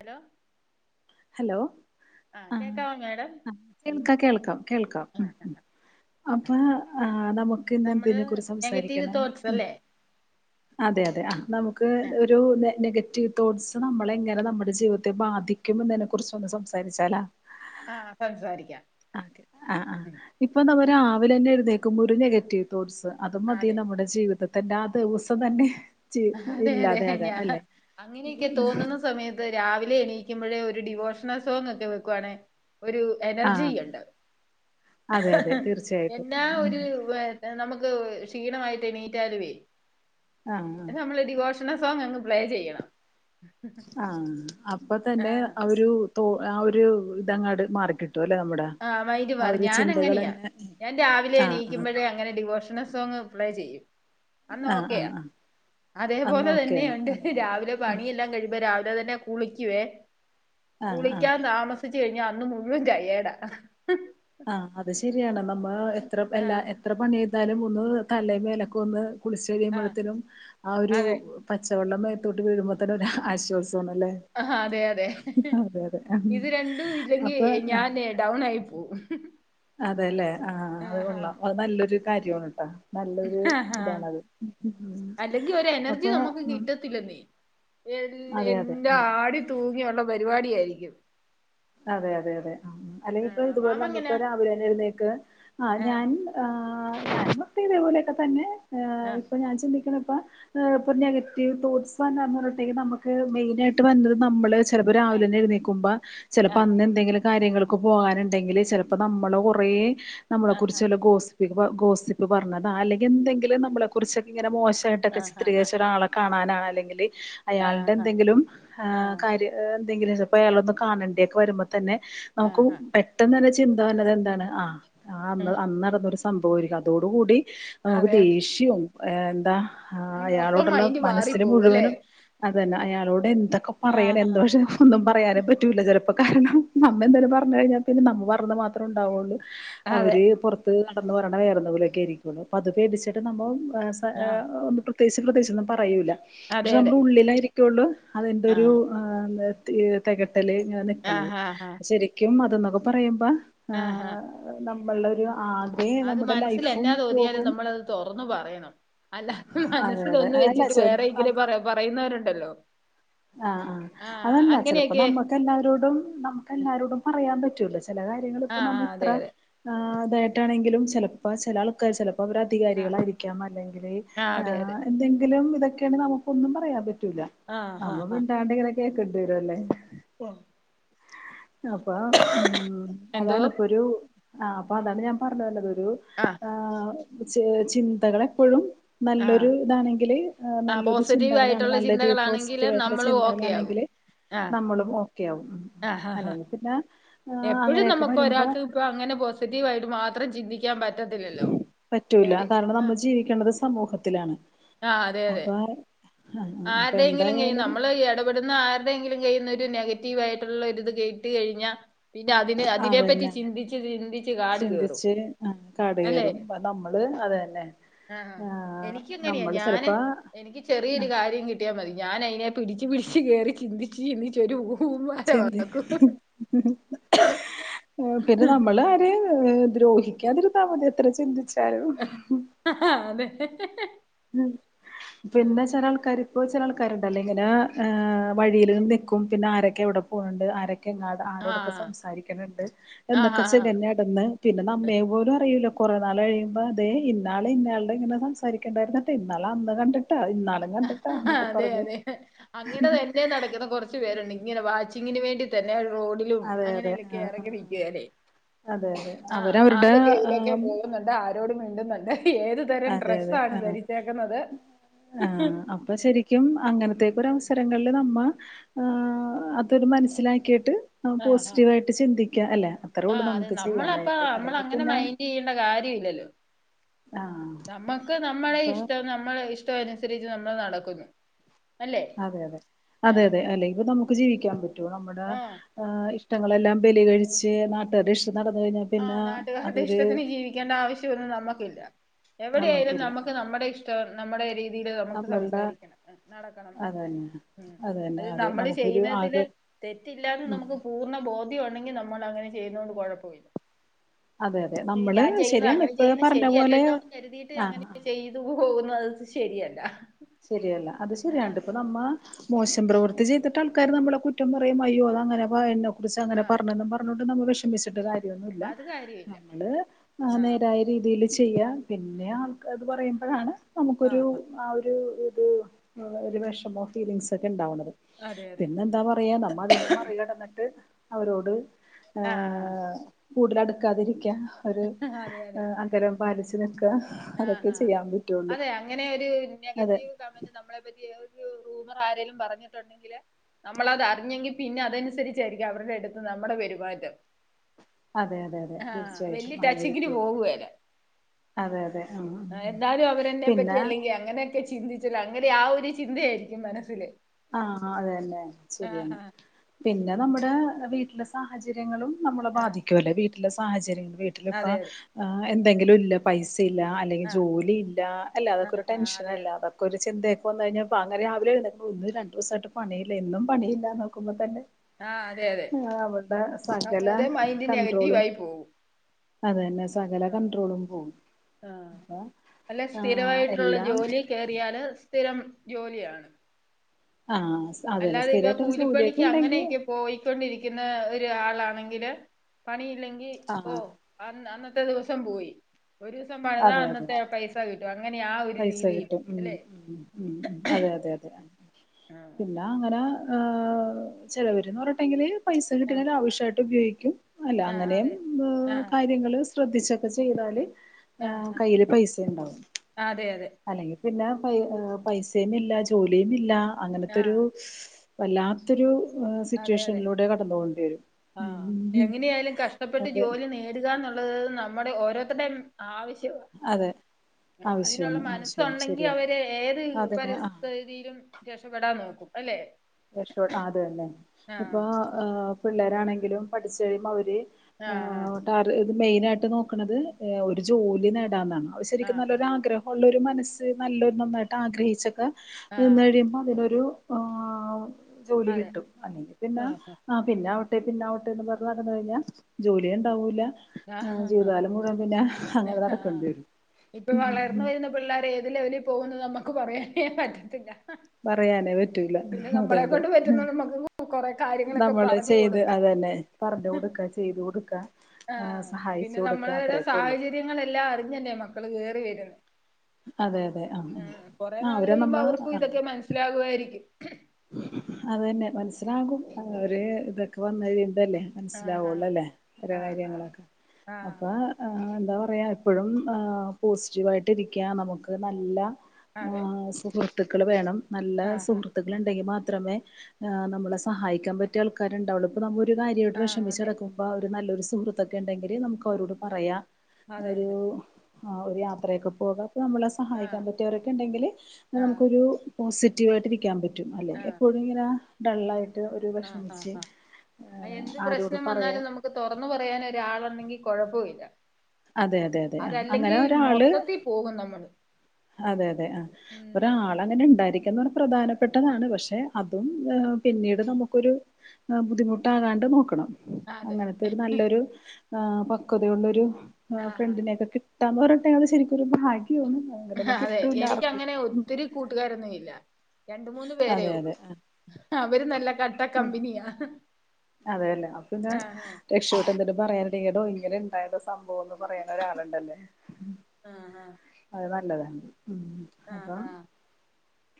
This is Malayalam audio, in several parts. ഹലോ ഹലോ ആ കേക്കാവോ മേഡം ആ കേൾക്കാം കേൾക്കാം കേൾക്കാം ആ അപ്പൊ ആ നമുക്ക് നമ്മള് ഇന്നെന്തിനതിനെ കുറിച്ച് നെഗറ്റീവ് സംസാരിക്കണ തോട്ട്സ് അല്ലേ അതെ അതെ ആ നമുക്ക് ഒരു നെ നെഗറ്റീവ് തോട്ട്സ് നമ്മള എങ്ങനെ നമ്മുടെ ജീവിതത്തെ ബാധി കുന്നതിനെ കുറചൊന്ന് സംസാരിച്ചാലാ ആ സംസാരിക്കാ അ ആ ആ ഇപ്പൊ നമ്മരാവിലെന്നെ എഴുന്നേക്കുമ്പോരു നെഗറ്റീവ് തോഡ്‌സ് അതുമതി അതെ നമ്മുടെ ജീവിതത്തിന്റെ ആ ദിവസം തന്നെ ജീ അതെ അതെ ഇല്ലാതെയാകാൻ ഞാൻ അല്ലെ അങ്ങനെയൊക്കെ തോന്നുന്ന സമയത്ത് ന്ന് രാവിലെ എണീക്കുമ്പോഴേ ഒരു ഡിവോഷണൽ സോങ്ക്കെ വെക്കുവാണെ ഒരു ആ എനർജിയൊക്കെണ്ട അതെ അതെ തീർച്ചയായിട്ടും എന്നാ ഒരു നമുക്ക് ക്ഷീണമായിട്ട് എണീറ്റലു വേ ആ ആ നമ്മള് ഡിവോഷണൽ സോങ്ങ്ങ് പ്ലേ ചെയ്യണം ആ അപ്പൊ ആ തന്നെ ആരു തോ ആരു ഇതങ്ങാട് മാറിക്കിട്ടുല്ലേ നമ്മടെ ആഹ മൈറ്റ്മാറും ഞാനങ്ങനെയാ ഞാൻ രാവിലെ ആഹ് ആഹ് എണീക്കുമ്പോഴേങ്ങനെ ഡിവോഷണൽ സോങ് പ്ലേ ചെയ്യും ആഹ് അനോക്കെയാ ആഹ് ആഹ് അന്നാ അതേപോലെ തന്നെയു ഓക്കെയാണ് ണ്ട് ആഹ് രാവിലെ പണിയെല്ലാം കഴിയുമ്പോ രാവിലെ തന്നെ കുളിക്കുവേ ആഹ് ആഹ് കുളിക്കാൻ താമസിച് കഴിഞ്ഞാൽ അന്ന് മുഴുവൻ ടയെഡാ ആഹ അത് ശരിയാണ് നമ്മ എത്ര ല്ലാ ആഹ് എത്ര പണി ചെയ്താലും തലയും മേലും ഒന്ന് കുളിച്ചു ആഹ് കഴിയുപ്പോത്തെന് ആ ഒരു അതെ പച്ചവെള്ളം മേത്തോട്ട് വീഴുമ്പോ തന്നെ ഒരാശ്വാസണല്ലേ ആ അതെ അതെ ഇത് രണ്ടുഇല്ലെങ്കിൽ അപ്പൊ ഞാന് ഡൗൺ ആയി പോവും [unintelligible] അതെല്ലെ ആഹ് അത് ആഹാ കൊള്ളാം അതുനല്ലൊരു കാര്യണുട്ടോ നല്ലൊരു ആഹാ ഇതാണാത് അല്ലെങ്കി അപ്പൊ എൽ അതെ അതെ എല്ലാ ആഹ് ആടി തൂങ്ങിയൊള്ള പരിപാടിയായിരിക്കും അതെ അതെ അതെ അല്ലെങ്കിപ്പോ ആഹ് ഇതുപോലെ മാമ എങ്ങനാ നമുക്കോ രാവിലെന്നെ എഴുന്നേൽക്കാൻ ആഹ് ഞാൻ ആ ഞാൻ ഇപ്പിം ഇതേപോലെക്കെതെന്നെ ആഹ് ഇപ്പൊ ഞാൻ ചിന്തിക്കുന്നപ്പ ഇപ്പൊ നെഗറ്റീവ് തോട്ട്സ്ന്നന്ന് പറഞ്ഞതേക്കും നമുക്ക് മെയിനയിട്ട് വന്നത് നമ്മള് ചെ ചെലപ്പോ രാവിലെന്നെ എഴുന്നീക്കുമ്പ ചെലപ്പോ ആഹ് അന്ന അന്ന് എന്തെങ്കിലും കാര്യങ്ങൾക്ക് പോകാനുണ്ടെങ്കിൽ ചെലപ്പോ നമ്മള് കൊറേ നമ്മളെ ആഹ് കുറിച്ചല്ല ഗോസി ഗോസിപ്പ് പറഞ്ഞതാ അല്ലെങ്കി എന്തെിലും നമ്മളെ കുറിച്ചൊക്കെ ഇങ്ങനെ മോശമായിട്ടൊക്കെ ആഹ് ആഹ് ചിത്രിക്കരിച്ച ഒരാളെ കാണാനാണ് അല്ലെങ്കില് ആഹ് ആഹ് അയാളുടെന്തെങ്കിലും ഏ ആഹ് കാര്യ ഏ എന്തെങ്കിലും ചെൽപോ അയാളൊന്ന് കാണേണ്ടിക്കെ വരുമ്പോതന്നെ നമുക്കു ആഹ് ആഹ് പെ പെട്ടന്ന് വരുന്ന ചിന്തവന്നത് എന്താണ് ആ അന്ന് അന്ന് നടന്നൊരു സംഭവയിരിക്കും അതോട്കൂടി നമുക്ക് അതെ അതെ ദേഷ്യവും ഏഹ് എന്താ മൊത്തം അയാളോടുള്ള മൈൻഡ് മാറി മനസ്സില് പോകും അല്ലെ മുഴുവനും അതന്നെ അയാളോട് എന്തൊക്ക പറയലെ ആഹ് എന്താ പക്ഷെ ഒന്നും പറയാനേ പറ്റൂല്ല ചെലപ്പോ ഇപ്പൊ കാരണം നമ്മ എന്തേലും പറഞ്ഞ കഴിഞ്ഞാൽ പിന്നെ നമ്മ പറഞ്ഞ മാത്രമേ ഉ ഉണ്ടാവൊള്ളു അതെ അവര് പൊർ ത് നടന്ന് പറയണ വേറെന്തെങ്കിലരിക്കുന്നു അപ്പോ അത് പേടിച്ചിട്ട് നമ്മളും സ ആഹ് ഏഹ് ഒന്ന് പ്രി പ്രത്ദേശ പ്രദേശൊന്നും പറയൂല്ല അതെ പക്ഷെ അതെ നമ്മുടെ ഉള്ളിലായിരിക്കയുള്ളൂ അതിന്റെരു ആഹ് ആഹ് തെക്കട്ടെല് ഇങ്ങനെ നിക്കല് ആഹ് ആഹ് ശരിക്കും അതന്നൊക്കെ പറയുമ്പോ ആഹ് നമ്മളൊരു ആ അത് മനസ്സിൽ എന്നാ തോന്നിയാലും ഞമ്മള്ളത് തൊറന്നു പറയണം അല്ലാ അതെ മനസ്സിൽ അതെ ഒന്ന് വെച്ചിട്ട് വേറെ അല്ല ഇങ്ങനെ പറ പറയുന്നവരുണ്ടല്ലോ ആഹ് ആഹ് അതല്ല ചെൽപ്പോ നമ്മ എല്ലാവരോടും നമുക്ക് എല്ലാവരോടും പറയാൻ പറ്റുവല്ലോ ചെലകാര്യങ്ങള് ഇപ്പൊ ആഹ് നമ്മ ആഹ് ഇത്ര അതെ അതെ ആഹ് ദ്യായിട്ടാങ്കിലും ചെലപ്പോ ചെലാൾക്കാര് ചെൽപോ ഒരാ ആഹ് അധികാരികളായിരിക്കാം തികരിക്കളായിരിക്കാം അല്ലെങ്കില് ആഹ് അതെ അതെ എന്തെങ്കിലും ഇതൊക്കെണ് നമുക്കൊന്നും പറയാൻ പറ്റൂല ആഹ് നമ്മ ആഹ് മിണ്ടാണ്ട് ങഇങ്ങനെ കേക്കണ്ടി വരുവല്ലേ ആഹ് അപ്പൊ ഉം എന്തോ അതാണ് ഇപ്പൊരു ആഹ് അപ്പൊ അതാണ് ഞാന് പറ്ഞ്ഞ് വന്നതൊരു ആഹ് ആഹ് ചെ ചിന്തകള് എപ്പോഴും ആഹ് നല്ലൊരു ഇതാണെങ്കില് ആഹ് നല്ലൊരു ചിന്താ പോസിറ്റീവ് ചിന്തക്കാനാണ് ആയിട്ടുള്ള നല്ലൊര് പോസ് ചിന്തകളാണെങ്കില് ഇത്തരത്തിലുള്ള നമ്മള് ഓക്കെ ആകും ചിന്താക്കളാണെങ്കില് ആഹ് നമ്മളും ഓക്കെയാവും അല്ലെങ്കി പിന്നെ ആ അങ്ങനെയൊക്കെ വരുമ്പോ എപ്പോഴുംനമുക്കൊരാക്ക് ഇപ്പൊ അങ്ങനെ പോസിറ്റീവായിട്ട് മാത്രം ചിന്തിക്കാൻ പറ്റത്തില്ല പറ്റൂല കാരണം നമ്മള് ജീവിക്കേണ്ടത് സമൂഹത്തിലാണ്. ആഹ് അതെ അതെ അപ്പൊ ആഹ് അപ്പൊ ആരതെങ്കിലും എന്തായാലും നമ്മള് ഈ ഇടപെ ഇടപെടുന്ന ആരുടെങ്കിലും കയ്യിന്ന് ഒരു നെഗറ്റീവായിട്ടുള്ള ഒര്ത് കേട്ട് കഴിഞ്ഞ പിന്നെ അതിന് അതിനെപറ്റി അതന്നെ ചിന്തിച്ച് ചിന്തിച്ച് കാട്കേറും ചിന്തിച്ച് ആ കാട് അല്ലെ കയറും ആഹ് നമ്മള് അതന്നെ ആഹ് എനിക്ക്ങ്ങ്നെയാ ഞാന് എനിക്ക് ചെറിയെര ഒര് കാര കാര്യം കിട്ടിയാമതി ഞാനയിനെ പിട്ച്ച് പിട്ച്ച് കേറി ചിന്ത്ച്ച് ചിന്ത്ച്ച് ഒരു ഉ ചിന്തി ഉം ആഹ് പിന്നെ നമ്മള് [unintelligible] ദ്രോഹിക്കാതിരുന്നാമതി എത്ര ചിന്തിച്ചാലും അതെ ഉം പിന്നെ ചെലാൾക്കാര് ഇപ്പോചെലാൾക്കാര്ണ്ടല്ല ഇങ്ങനെ ഏഹ് വഴില്നിക്കും പിന്നെ ആരൊക്കെ എവ്ടെ പോണ് ണ്ട് ആരൊക്കെ എങ്ങ ആഹ് ആരോടൊക്കസംസാരിക്ക്ണ് ണ്ട് ആഹ് ആഹ് എന്നൊക്കെചിക പിന്നെ നമ്മെപോലു അറിയൂല്ല കുറേ നാള്ഴ്മ്പോഅതേ ഇന്നള് ഇന്നള്ടെ ഇങ്ങനെ സംസാരിക്ക ക്കെണ്ടയ്ര്ന്നപ്പിന്നാള് അന്ന്കണ്ട് അതെഅതെ അങ്ങനതന്നെ നട്ക്കന്നകൊറ കുച്ചു പേരുണ്ട് ഇങ്ങനെ വാച്ചിങ്ങിന് വേണ്ടി തന്നെ റോഡിലും അതെ അതെ അങ്ങനെല്ലൊക്കെ ആ ആ എറങ്ങി ആ നിൽക്കയാലേ അതെ അതെ ആഹ് അവരവരുടെ ആരൊക്കെ ആ ഏയിലേക്കപോകുന്നു ന്തആ രോടുംമിണ്ട്ന്നുണ്ട് ഏത് അതെ അതെ തരംഡ്രസ്സാണ് ആ ധരിച്ചേക്ക്ണത് ആഹ് അപ്പൊശെരി ഖ്യും അങ്ങനത്തേക്കൊര അവസരങ്ങൾ നമ്മ അതൊരു മനസ്സിലാക്കിയിട്ട് ആ ആ പോസിറ്റീവായിട്ട് ചിന്തിക്ക്യ അല്ലെ ആ അത്രേള്ളൂ നമുക്ക് ചെയ്യാനായിട്ട് അല്ലെങ്കിപിന്നെ ചീയ്യ്ണ്ട കാര്യം ഇല്ലല്ലോ ആഹ് നമ്മക്ക് നമ്മളെ അപ്പൊ ഇഷ്ടം നമ്മളഇഷ്ടം അയ്നൻസരിച്ച് നമ്മള്നടക്കുന്നു അതെയതെ അതെഅതെ അല്ലെങ്കിനമ്മുക്ക് ജീവിക്കാൻപറ്റോ നമ്മുടെ ആ ആഹ് ഇഷ്ടങ്ങളെല്ലാം ബലികഴിച്ച് നാട്ടാരെഷ്ട്ടം നടന്ന് കഴിഞ്ഞാ ആഹ് നാട്ടുകാരുടെ ഇഷ്ടത്തിന് ജീവിക്കേണ്ടആവശ്യംവൊന്നും നമ്മക്കില്ല നമ്മക്കില്ല എവിടെയെയാലുംനമുക്ക് അതെ നമ്മുടെഇഷ് നമ്മുടെ രീതിയില് നമ്മളുടെ നമ്മ്ക്ക്സംസാരിക്കണം നടക്കണം അതന്നെ ഉം അതന്നെ അത് അതെ നമ്മള് നമുക്കൊരു ചെയ്യുന്നതതില് ആകെ തെറ്റില്ലാന്ന് ഉം നമ്മ്ക്ക് പൂർണ്ണബോ ട്ടിഉണ്ടെങ്കി നമ്മളങ്ങനെ ചെയ്യ്ന്നൊണ്ട് കൊഴപ്പവില്ല അതെയതെ പിനിഞാൻചെയ്യ്ന്ന അങ്ങനെചെയ്യുന്ന ശരിയല്ലല്ലോന്ന്കരുതിയിട്ട് അങ്ങനെ ആഹ് ചെയ്തുപോകുന്ന അത് ശരിയല്ല ശെരിയല്ല ആഹ് അത്ശെരിയണ്ട്പ്പ നമ്മ മോശംപ്രവൃത്തിചെയ്ത്ട്ട് ആൾക്കാര്നമ്മളെ കുറ്റംപറയുമ്പാ അയ്യോ അതഅങ്ങനെ [unintelligible] ഷെഅങ്ങനെ ആഹ് പർണ്ണംന്ന് പർഞൊണ്ട്നമ്മള് വിഷമിച്ച്ട്ട് കാര്യൊന്നുല്ല അത് കാര്യമില്ല നമ്മള് ആ ആഹ് നേര രീതീല് ചെയ്യ, പിന്നെ ആഹ് അവരു പറയുമ്പോഴാണ് നമുക്കൊരു ആഹ് ഒരു ഒരു വെഷമോ ഫീലിങ്സോ ഒക്കെ ഉണ്ടാവുന്നത് അതെ അതെ പിന്നെന്താ പറ അറിയാം നമ്മ അതിന്ന് മറികടന്നിട്ട് അവരോട് ആഹ് ആഹ് കൂടുതലടുക്കാതിരിക്ക ഒരു ആഹ് അതെ അതെ അകലം പാലിച്ച് നിൽക്ക അതൊക്കേ ആഹ് ആഹ് ചെയ്യാൻ പറ്റുവൊള്ളൂ. അതെ അങ്ങനെ ഒരു നെഗറ്റീവ് കമന്റ്, നമ്മളെ പറ്റി ഒരു റൂമർ ആരേലും പറഞ്ഞിട്ടൊണ്ടെങ്കില് നമ്മളതറിഞ്ഞെങ്കി പിന്നെ അതനുസരിച്ചായിരിക്കും അവരുടെ അടുത്ത് നമ്മുടെ പെരുമാറ്റം. അതെ അതെ അതെ ആ തീർച്ചയായിട്ടും വലിയ ടച്ചിങ്ങിന് അങ്ങനാരിക്കും. പോകുകേല അതെ അതെ ഉം എന്നാലും അവരെന്നെ പറ്റി പിന്നെ അല്ലെങ്കിൽ അങ്ങനെയൊക്കെ ചിന്തിച്ചല്ലോ, അങ്ങനെ ആ ഒരു ചിന്തയായിരിക്കും മനസ്സില്. ആഹ് അതന്നെ ആ ശരിയാണ്, ആ പിന്നെ നമ്മുടെ വീട്ടില് സാഹചര്യങ്ങളും നമ്മളെ ആ ബാധിക്കുവല്ലോ, വീട്ടിലെ സാഹചര്യം വീട്ടിലിപ്പ അതെ അതെ എന്തെങ്കിലും ഇല്ല, പൈസ ഇല്ല, അല്ലെങ്കിൽ ആ ജോലിയില്ല, അല്ല ആ അതൊക്കെ ഒരു ആ ടെൻഷൻ അതെ അതെ അല്ലാതെ ഒരു ചിന്തയൊക്കെ വന്നു കഴിഞ്ഞാ കാരണം രാവിലെ എഴുനെല്കുമ്പോ ഇന്നി രണ്ടുദിവസായിട്ട പണിയില്ല എന്നും, പണില്ലാന്നോർക്കുമ്പോ തന്നെ ആ അതെ അതെ ആഹ് അവർടെ സകല അന്നേരം മൈൻഡ് കണ്ട്രോളും നെഗറ്റീവായി പോകും അത് തന്നെ സകല ആ കൺണ്ട്രോളും പോകും. ആ പിന്നെ അല്ല ആഹ് സ്ഥിരമായിട്ടുള്ള എല്ലാം ജോലി കേറിയാല് സ്ഥിരം ജോലിയാണ്. ആഹ് അതന്നെ അല്ലാതെ ഇപ്പ സ്ഥിരായിട്ടൊരു ജോലിയൊക്കെ കൂലിപ്പണിയ്ക്ക് ഇണ്ടെങ്കി അങ്ങനെയൊക്കെ പോയിക്കൊണ്ടിരിയ്ക്ക്ന്ന ഒരു ആളാണെങ്കില് പണിയില്ലെങ്കി ആഹ് ഓഹ് അന്ന് അന്നത്തെ ദിവസം പോയി ഒരൂസം പണിതാ അതെ അതെ അന്നത്തെ പൈസാ കിട്ടും അങ്ങനെ ആ ഒരു പൈസ രീതിയില് കിട്ടും ഉം അല്ലെ ഉം ഉം ഉം അതെയതെയതെ ആഹ് പിന്ന അങ്ങനെ ഏഹ് ചെലെവര്ന്ന് പർഞ്ഞ്ട്ടെങ്കില് പൈസ കിട്ട്ണെ ആഹ് ലാവിഷായ്ട്ട് ഉപയോയ്ക്കും അല്ല ആഹ് അങ്ങനേം അതെ ബ് ആഹ് കാര്യങ്ങള് ശ്രദ്ധിച്ചൊക്കെ ചെയ്താല് ആഹ് കയ്യില് പൈസെ ഇണ്ടാവും ആതെയതെ അല്ലെങ്കി പിന്നെ പൈ പൈസയുമില്ലാ ജോലിയുമില്ലാ അങ്ങനത്തൊരൂ ആഹ് വല്ലാത്തൊരു ഏഹ് അതെ അതെ സിറ്റുവേഷെൻലൂടെ കടന്നു പോവെണ്ടി വെരും ക്കെയായാലും കഷ് ട്ടപ്പെട്ട് ജോലി നേട്കാന്നൊള്ളെത് നമ്മടെ ഓരോര്ത്തെര്ടേം ആവശ്യവാ അതെ അതിനൊള്ള ആവശ്യമാണ് ആവശ്യമാണ് മനസ്സാെണ്ടെങ്കി ശരിയാണ് അവര് ഏത് അതന്നെ ആ പര്സ്ഥിതിയിലും രക്ഷപ്പെടാൻ നോക്കും അല്ലേ രക്ഷപ്പെട് ആഹ് അത് തന്നെ ഇപ്പാേ ഏഹ് പിള്ളേരാണെങ്കിലും പഠിച്ച് കഴിയുമ്പാെ അവര് ആഹ് ആഹ് അവര് ഇത് മെയ്നായ്ട്ട് നോക്ക്ണത് ഏത് ഒരു ജോലി നേടാന്നാണ് അത് ശെരിക്കും ആഹ് ആഹ് നല്ലൊരു ആഗ്ര ഉള്ളൊരു മനസ്സ് നല്ലൊരു നന്നായ്ട്ട് ആഗ്രഹിച്ചൊക്കാ നിന്ന് ആഹ് കഴിയ്മ്പം തിനൊരു ആഹ് ആഹ് ജോലി അതെ കിട്ടും അല്ലെങ്കി പിന്നാ ആഹ് അഹ് പിന്നാവട്ടെ പിന്നാവട്ടേന്ന് പർഞ്ഞ് നടന്ന് കഴിഞ്ഞാ ജോലീണ്ടാവൂലാ ആഹ് ജീവിതകാലം മുഴുവൻ പിന്നാ അങ്ങനെ നടക്കണ്ടി വെരും പിള്ളാര് ഏത് ലെവലി പോകൂന്ന് നമ്ക്ക് പറയാനേ പറ്റത്തില്ലാ പറയാനേ പറ്റൂല അതെ അതെ പറ്റുന്ന നമുക്ക് കൊറെ കാര്യങ്ങളൊക്കെ നമ്മള് പറഞ്ഞു ചെയ്ത് കൊടുക്കാം അതെന്നെ പറഞ്ഞ് കൊട്ക്കാ ചെയ്ത് കൊട്ക്കാ ആഹ് പിന്നെ നമ്മളടെ ഉള്ളു സാഹചര്യങ്ങളെല്ലാം അറിഞ്ഞല്ലേ മക്കള് കേറി വെര്ന്നേ അതെ അതെ ആ ആഹ് കൊറേ ആ നാള് അവരെ നമ്മ കഴിയുമ്പാെ അവർക്കും ഇതൊക്കെ മനസ്സിലാകുവായിരിയ്ക്കും അത് തന്നെ മൻസ്സ്ലാകും അതവര് ഇതൊക്കെ വന്ന് കഴിയ്മ്പല്ലെ ആഹ് മൻസ്സ്ലാവാെള്ളല്ലേ ഓരോ ആഹ് കാര്യങ്ങളൊക്കെ ആഹ് അപ്പാ ആഹ് എന്താ പറയാ എപ്പഴും ഏഹ് പോസ്‌റ്റീവായ്ട്ടിരിയ്ക്ക നമുക്ക് നല്ല ആഹ് സുഹൃത്ത്ക്കള് വേണം നല്ല ആഹ് ആഹ് സുഹൃത്ത് ക്കള്ണ്ടെങ്കി മാത്രമേ ഏഹ് നമ്മളെ സഹായിക്കാം പറ്റിയൾ ക്കാര്ണ്ടാവാെള്ളൂ ഇപ്പ നമ്മു ഒരു കാര്യായ്ട്ട് ആഹ് അതെ വെഷമിച്ചെടക്കും മ്പാ ഒരു നല്ലൊരു സുഹൃത്തൊക്കെണ്ടെങ്കില് നമുക്കവരോട് പറയാ അതെ ഒരൂ അതെ ആഹ് ഒര് യാത്രയൊക്കെ പോകാ പ്പൊ നമ്മളെ സഹായിക്കാൻ ആഹ് പറ്റിയവരൊക്കെ ഇണ്ടെങ്കില് ആഹ് നമുക്കൊരു പോസിറ്റീവായിട്ടിരിയ്ക്കാം പറ്റും അല്ലെങ്കി ആഹ് എപ്പോഴുംങ്ങെനെ ഡെള്ളായ് ട്ട് ഒരു ആഹ് വെഷ്മിച്ച് ആഹ് ആഹ് ഏഹ് ആരോട് പറയാൻ താെറന്നു പറയാനൊരാളുണ്ടെങ്കി കാെഴപ്പവില്ലാ അതെ ആ അതെ അങ്ങനെ അല്ലെങ്കി ഒരാൾ മൊത്തത്തി പോകും നമ്മള് അതെ അതെ അഹ് ഉം ഒരാൾ പ്പ അങ്ങെനെണ്ടായ്രിക്കാന്ന്ർ പ്രധാനപ്പെട്ടെതാണ് പക്ഷെ അതും ഏഹ് പിന്നീട് നമുക്കൊരു അഹ് ബുദ്ധിമുട്ടാകാണ്ട് നോക്കണം അതെ അങ്ങനത്തെ ഒരു നല്ലൊരു ആഹ് പക്വതയുള്ളൊരു ആഹ് ഫ്രെണ്ടിനെയൊക്കെ കിട്ടാന്ന് പർഞ്ഞിട്ടാ ശരിക്കാെരു ഭാഗ്യവാണ് അതെ എനിക്കങ്ങെനെ ഒത്തിരി കൂട്ടുകാരൊന്നും ഇല്ലാ രണ്ട് മൂന്ന് പേരേ അതെ ഒള്ളൂ അതെ അവര് നല്ല കട്ട കമ്പിനിയാ അതേല്ലേ അപ്പ താ രക്ഷപ്പെട്ട് എന്തേലും പറയാന്ണ്ടെങ്കി എടോ ഇങ്ങെനെ ഇണ്ടായ്ര്ന്ന് സംഭവംന്നും പറയാനരാളുണ്ടല്ലേ ആഹ് ആഹ് അത് നല്ലതാണ് ഉ ആഹ് ആഹ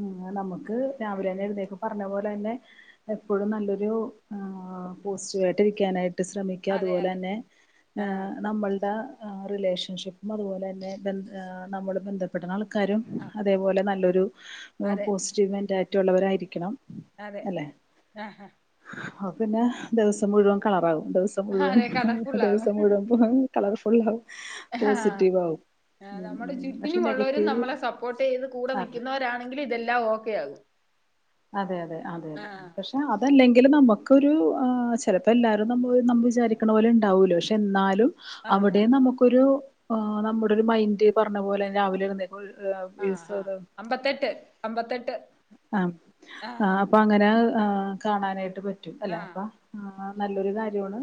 ഉ നമുക്ക് രാവിലെ തന്നെ എഴുന്നക്കെ പറഞ്ഞ പോലെ തന്നെ എപ്പോഴും നല്ലൊരു പോസിറ്റീവായിട്ട് ഇരിക്കാനായി ശ്രമിക്ക അതെ അതുപോലെ അതെ തന്നെ ആഹ് നമ്മളുടെ റിലേഷൻഷിപ്പും അതുപോലെ തന്നെ ബ നമ്മൾ ബന്ധപ്പെട്ട ആൾ ക്കാരും ആഹ് അതേപോലെ നല്ലൊരു അതെ പോസിറ്റീവ് മെൻറാലിറ്റി ഉള്ളവരായിരിക്കണം അതെ ആഹ് ആഹ് അപ്പൊ പിന്നെ ദിവസം മുഴുവൻ കളറാകും ദിവസം മുഴുവൻ അതെ കളർഫുള്ളാകും ദിവസം മുഴുവൻ കളർഫുളാവും പോസിറ്റവ് ആവും ആ നമ്മുടെ ചുറ്റിനും ഉള്ളവരും നമ്മളെ സപ്പോർട്ട് ചെയ്ത് കൂടെ ആ നൽക്കുന്നവരാ- ങ്കിൽ ഇതെല്ലാം ഓക്കെ ആകും അതെ അതെ അതെ അതെ ആഹ് പശെ പക്ഷേ അതല്ലെങ്കിൽ നമുക്കൊരു ചിലപ്പോൾ എല്ലാവരും നമ്മൾ നമ്മൾ വിചാരിക്കണ പോലെ ഉണ്ടാവല്ലോ പക്ഷേ എന്നാലും ആഹ് അവിടെയും നമുക്കൊരു നമ്മുടെ ഒരു മൈന്റ് പറഞ്ഞ പോലെ രാവിലെ ഇരുന്ന ആഹ ആഹ അമ്പത്തെട്ട് അമ്പത്തെട്ട് ആഹ ആ ആഹ് അപ്പൊ അങ്ങനെ കാണാനായിട്ട് പറ്റും അല്ല ആഹ് അപ്പൊ ആഹ നല്ലൊരു കാര്യാണ്